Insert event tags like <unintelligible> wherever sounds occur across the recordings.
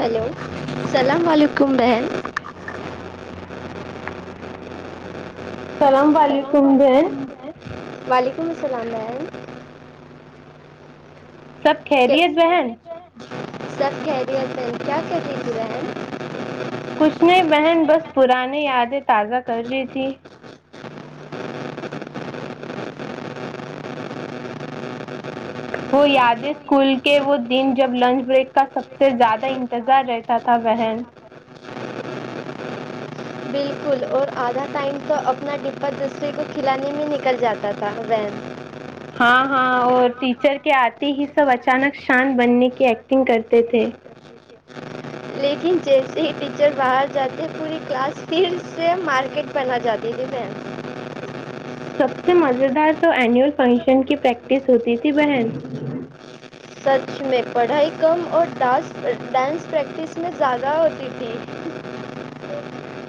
Hello السلام علیکم کمبہل <unintelligible> سلام علیک وعلیکم السلام بہن سب خیریت کیس بہن خیریت ہے سب کیریئر میںین کیا کرتیج ہیں کچھ نے بہن بس پرانی یادیں تازہ کر لی تھی وہ یادیں اسکول کے وہ دن جب لنچ بریک کا سب سے زیادہ انتظار رہتا تھا بن کل اور آدھا ٹائم تو اپنا ڈبہ دوسرے کو کھلانے میں نکل جاتا تھا وی ہاں ہاں اور ٹیچر کے آتے ہی سب اچانک شانت بننے کی ایکٹنگ کرتے تھے لیکن جیسے ہی ٹیچر باہر جاتے تھ پوری کلاس پھر سے مارکیٹ بن جاتی تھی میم سب سے مزیدار تو اینوئول فنکشن کی پریکٹس ہوتی تھی بہن سچ میں پڑھائی کم اورس ڈانس پریکٹس میں زیادہ ہوتی تھی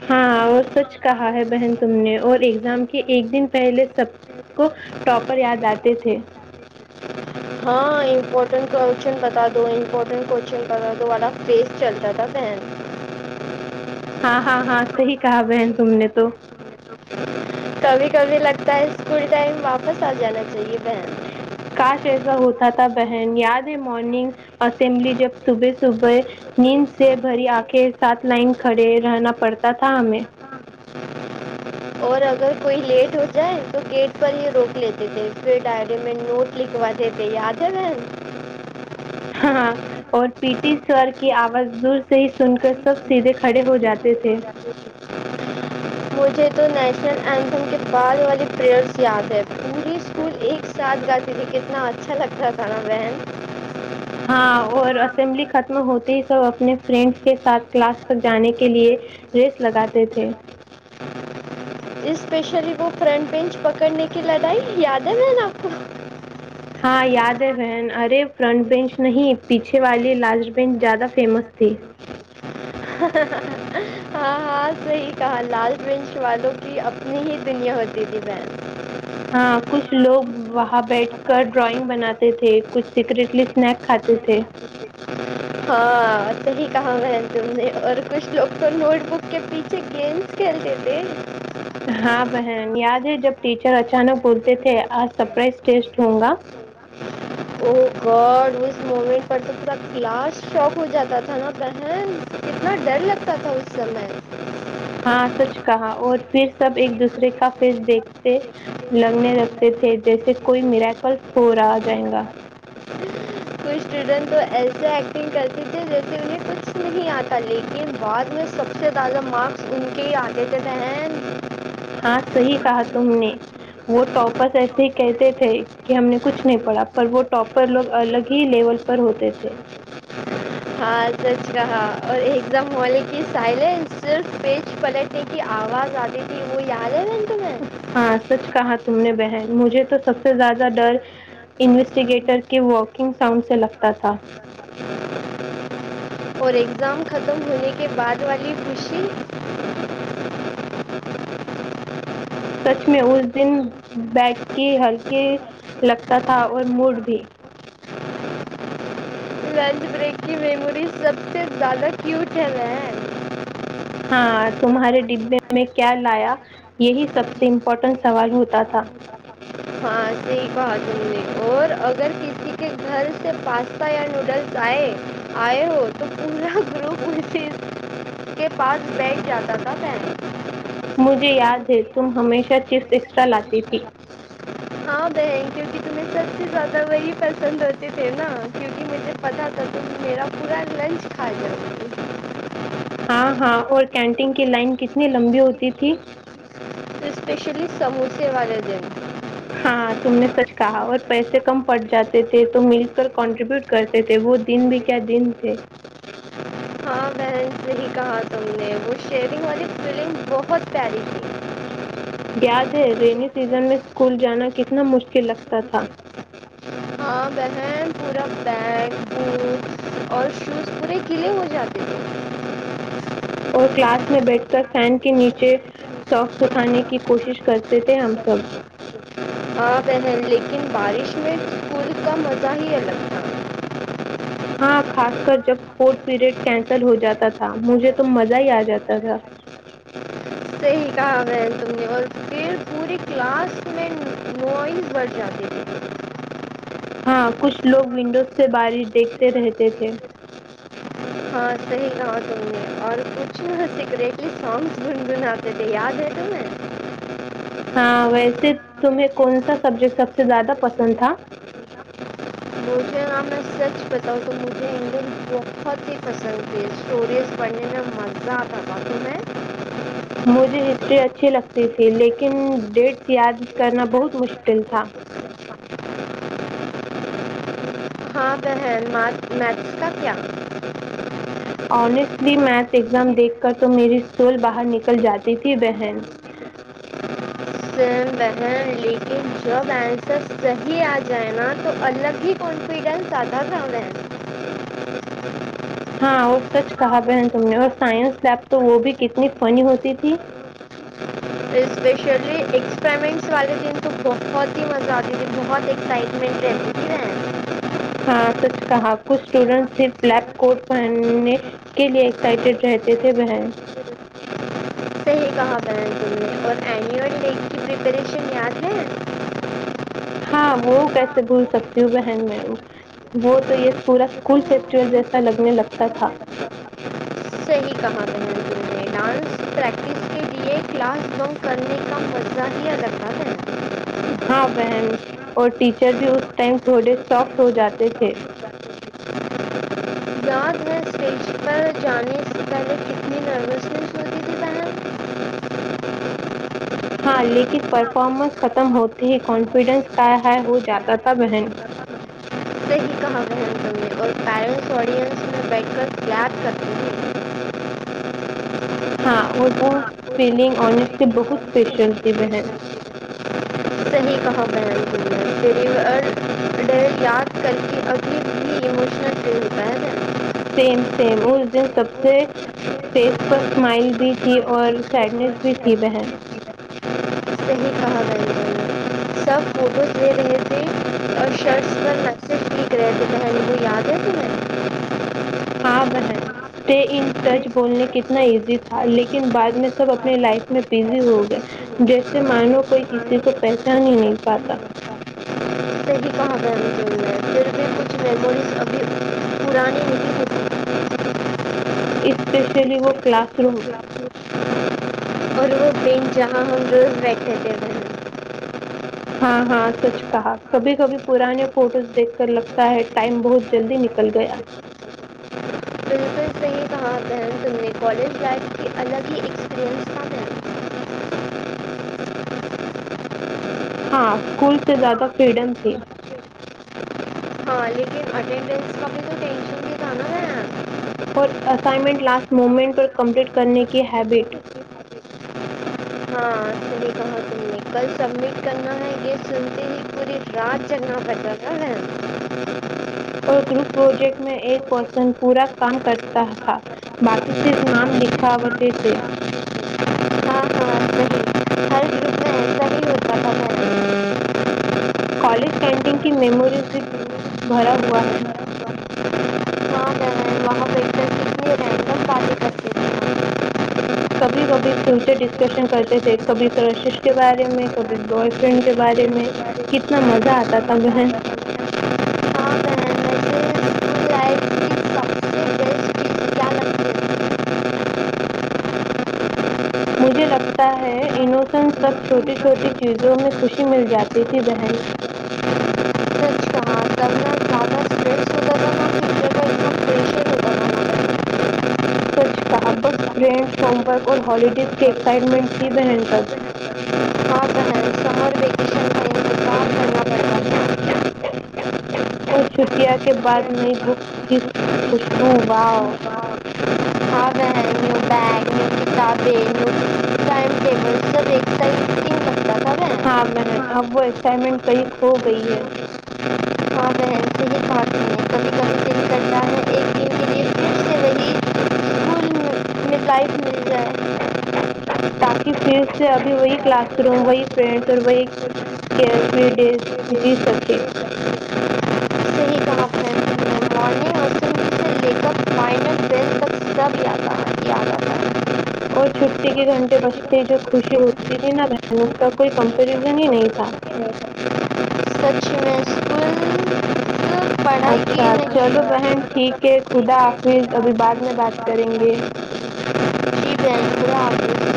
ہاں اور سچ کہا ہے بہن تم نے اور ایگزام کے ایک دن پہلے سب کو ٹاپر یاد آتے تھے ہاں امپورٹنٹ کوشچن بتا دو امپورٹنٹ کوشچن بتا دو والا فیس چلتا تھا پین ہاں ہاں ہاں صحیح کہا بہن تم نے تو کبھی کبھی لگتا ہے اسکل ٹائم واپس آ جانا چاہیے بہن کاش ایسا ہوتا تھا بہن یاد ہے مارننگ اسمبلی جب صبح صبح نیند سے بھری آنکھیں سات لائن کھڑے رہنا پڑتا تھا ہمیں اور اگر کوئی لیٹ ہو جائے تو گیٹ پر یہ روک لیتے تھے پھر ڈائری میں نوٹ لکھواے تھے یاد ہے میم ہاں اور پیٹی سر کی آواز دور سے ہی سن کر سب سیدھے کھڑے ہو جاتے تھے مجھے تو ن اینسن کے بعے والی پریئرس یاد ہے پوری اسکول ایک ساتھ جاتی مجھے کتنا اچھا لگتا تھاانا وہن ہاں اور اسمبلی ختم ہوتے ہی سب اپنے فرینڈس کے ساتھ کلاس تک جانے کے لیے ریس لگاتے تھے اسپیشلی وہ فرنٹ بینچ پکڑنے کی لڑائی یاد ہے میں نے آپ کو ہاں یاد ہے بہن ارے فرنٹ بینچ نہیں پیچھے والی لاٹ بینچ زیادہ فیمس تھی ہاں ہاں لال ڈرنش والوں کی اپنی ہی دنیا ہوتی تھی بہن ہاں کچھ لوگ وہاں بیٹھ کر ڈرائنگ بناتے تھے کچھ سیکریٹلی اسنیک کھاتے تھے ہاں صی کہا میں تم نے اور کچھ لوگ تو نوٹ بک کے پیچھے گیمس کھیلتے تھے ہاں بہن یاد جب ٹیچر اچانک بولتے تھے آج سرپرائز ٹیسٹ ہوں گا او گاڈ اس مومنٹ پر تو پورا کاسٹ شواک ہو جاتا تھا نا پہن کتنا ڈر لگتا تھا اس سمے ہاں سچ کہا اور پھر سب ایک دوسرے کا فیس دیکھتے لگنے لگتے تھے جیسے کوئی میریکلس ہو رہا جائے گا کچھ اسٹوڈنٹ تو ایسے ایکٹنگ کرتی تھے جیسے انہیں کچھ نہیں آتا لیکن بعد میں سب سے زیادہ مارکس ان کے ہی آتے تھ رہن ہاں صحیح کہا تم نے وہ ٹاپرس ایسے ہی کہتے تھے کہ ہم نے کچھ نہیں پڑھا پر وہ ٹاپر لوگ الگ ہی لیول پر ہوتے تھے ہاں سچ کہااں اور ایک دم ہوالے کی سائلینس صرف پیج پلٹنے کی آواز آتی تھی وہ یاد ہے تمہیں ہاں سچ کہا تم نے بہن مجھے تو سب سے زیادہ ڈر انویسٹیگیٹر کے واکنگ ساؤنڈ سے لگتا تھا اور ایگزام ختم ہونے کے بعد والی خوشی <unintelligible> سچ میں اس دن بگ کے ہلکے لگتا تھا اور مڑ بھی یہ سب سے زیادہ کیوٹ ہے ہے ہاں تمہارے ڈبے میں کیا لایا یہی سب سے امپورٹنٹ سوال ہوتا تھا نہیں کہا تم نے اور اگر کسی کے گھر سے پاستا یا نوڈلس آئے آئے ہو تو پورا گروپ اسی کے پاس بیٹھ جاتا تھا پین مجھے یاد تھے تم ہمیشہ چپس ایکسٹرا لاتی تھی ہاں بہن کیونکہ تمہیں سب سے زیادہ وہی پسند ہوتے تھے نا کیونکہ مجھے پتا تھا تو میرا پورا لنچ کھا جا ہاں ہاں اور کینٹین کی لائن کتنی لمبی ہوتی تھی تو اسپیشلی سموسے والے دن ہاں تم نے سچ کہا اور پیسے کم پٹ جاتے تھے تو مل کر کنٹریبیوٹ کرتے تھے وہ دن بھی کیا دن تھے ہی کہا تم نے وہ شیونگ والی فیلنگ بہت پیاری تھی یاد ہے کہ لگتا تھا ہاں بہن پورا بیگ بوکس اور شوز پورے گلے ہو جاتے ہےھی اور کلاس میں بیٹھ کر فین کے نیچے سوخ سکھانے کی کوشش کرتے تھے ہم سب ہ پہن لیکن بارش میں اسکول کا مزہ ہی الگ تھا ہاں خاص کر جب اسپورٹ پیریڈ کینسل ہو جاتا تھا مجھے تو مزہ ہی آ جاتا تھا سہی کہا بہن تم نے اور پھر پوری کلاس میں نوائز بڑھ جاتی تھی ہاں کچھ لوگ ونڈوز سے بارش دیکھتے رہتے تھے ہاں صحیح کہا تم نے اور کچھ نہ سکریٹری سانگس گنگناتے تھے یاد ہے تمیں ہاں ویسے تمہیں کون سا سبجیکٹ سب سے زیادہ پسند تھا مجھے ہاں میں سچ بتاؤں تو مجھے انگلش بہت ہی پسند تھی اسٹوریز پڑھنے میں مزہ آتا تھااک میں مجھے ہسٹری اچھی لگتی تھی لیکن ڈیٹس یاد کرنا بہت مشکل تھا ہاں بہن میتھس کا کیا آنیسٹلی میتھ ایگزام دیکھ کر تو میری اسل باہر نکل جاتی تھی بہن سیم بہین لیکن جب آنسر صحیح آ جائے نا تو الگ ہی کانفیڈنس آتا تھا ہمہے ہاں اور سچ کہا بہن تم نے اور سائنس لیب تو وہ بھی کتنی فنی ہوتی تھی اسپیشلی ایکسپریمنٹس والے دن تو بہت ہی مزہ آتی تھی بہت ایکسائٹمنٹ رہتی تھی وہ ہاں سچ کہا کچھ اسٹوڈنٹس سرف بلیک کوٹ پہن نے کے لیے ایکسائٹیڈ رہتے تے تھے بہن کیا اور اینیول ڈے کی پریپریشن یاد ہے ہاں وہ کیسے بھول سکتی ہوں بہن میں وہ تو یہ پورا اسکول فیسٹیول جیسا لگنے لگتا تھا صحیح کہا بہن تم نے ڈانس پریکٹس کے لیے کلاس بنک کرنے کا مزہ ہی الگ تھا ہے ہاں بہن اور ٹیچر بھی اس ٹائم تھوڑے سافٹ ہو جاتے تھے پیج پر جانے سے پہلے کتنی نروسنس ہوتی تھی بہن ہاں لیکن پرفارمنس ختم ہوتے ہی کانفیڈنس کا ہ ہو جاتا تھا بہن صحیح کہا بہن تم نے اور پیرنٹس آڈینس میں بیٹھ کر پیار کرتی ہیں ہاں اور وہ فیلگ انیسٹلی بہت اسپیشل تھی بہن صحیح کہا بہن تم نے فیئر ڈیل یاد کر کے ابھی بھی اموشنل فیل پہ گ سیم سیم اس دن سب سے فیس پر اسمائل بھی تھی اور سیڈنیس بھی تھی بہن صحیح کہا میری بہن سب فوٹوز لے رہے تھے اور شرٹس پر میسج لکھ رہے تھے بہن وہ یاد ہے تمہیں ہاں بہن اسٹے ان ٹچ بولنے کتنا ایزی تھا لیکن بعد میں سب اپنی لائف میں بزی ہو گئے جیسے مانو کوئی کسی کو پہچان ہی نہیں پاتا صحیح کہا بہن تم نے پھر بھی کچھ میموریز ابھی پرانی نہیں ہوتی اسپیشلی وہ کلاس روم بیٹھےتے ہیں ہاں ہاں سچ کہا کبھی کبھی پرانے فوٹوز دیکھ کر لگتا ہے ٹائم بہت جلدی نکل گیا بالکل صحیح کہا بہن تم نے کالج لائف کی الگ ہی ایکسپیرئنس تھا بہن ہاں اسکول سے زیادہ فریڈم تھی ہاں لیکن اٹینڈنس کا بھی تو ٹینشن بھی تھا نا بہن اور اسائنمنٹ لاسٹ موومنٹ پر کمپلیٹ کرنے کی ہیبٹ ہاں صحیح کہا تم کل سبمٹ کرنا ہے گ <inaudible> اور گروپ پروجیکٹ میں ایک پرسن پورا کام کرتا تھا باقی صرف نام لکھا ہوتے تھے ہاں ہاں صحیح ہر گروپ میں ایسا ہی ہوتا تھا بہن کالج کینٹین کی میموریز بھی بھرا ہوا ہے ہاں بہن وہاں بیٹھ کر کتنی رینڈم باتیں کرتے تھے ہم۔ کبھی کبھی فیوچر ڈسکشن کرتے تھے کبھی کرشش کے بارے میں کبھی بوائے فرینڈ کے بارے میں کتنا مزہ آتا تھا بہن ہاں بہن مجھے اسکول لائف کی سب سے بیسٹ چیز کیا لگتی مجھے لگتا ہے انوسنٹ تب چھوٹی چھوٹی چیزوں میں خوشی مل جاتی تھی بہن ہے سچ کہاں تب نہ زیادہ اسٹریس ہوتا تھا نہ فیوچر کا اتنا پریشر ہوتا تھا نا بہن سچ کہا بس فرینڈز ہوم ورک اور ہالیڈیز کی ایکسائٹمنٹ تھی بہن تک ہاں بہن سمر ویکیشن کا انتظار کرنا پڑتا <unintelligible> تھا اور چھٹیا کے بعد نئی بکس کی خوشبو واؤ ہاں بہن نیو بیگ نیو کتابیں نیو ٹائم ٹیبل سب ایک ساتھ ہی فٹنگ لگتا تھا بہن ہاں بہن اب وہ ایکسائٹمنٹ کئی کھ گئی ہے ماں بہن سے ہی پڑھاتی ہیں کبھی کبھی دل کرتا ہے ایک دن کے <unintelligible> لیے پھر سے وہی اسکول میں لائف مل جائے تاکہ پھر سے ابھی وہی کلاس روم وہی فرینڈس اور وہی کیئر فری ڈیٹس جی سکے صحیح کہا فرینڈ نے مارننگ اسمبلی سے لے کر فائنل بیل تک سب یاد آ یاد آتا ہے اور چھٹی کے گھنٹے بجتے جو خوشی ہوتی تھی نا بہن اس کا کوئی کمپریزن ہی نہیں تھا سچ میں اسکول صرف پڑھائی کی اچھا نہیں چلو جی بہن ٹھیک ہے خدا حافظ ابھی بعد میں بات کریں گے بہن خدا حافظ